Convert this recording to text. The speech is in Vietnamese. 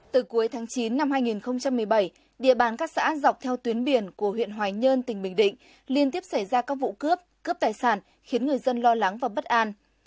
từ cuối tháng chín năm hai nghìn một mươi bảy địa bàn các xã dọc theo tuyến biển của huyện hoài nhơn tỉnh bình định liên tiếp xảy ra các vụ cướp cướp tài sản khiến người dân lo lắng và bất an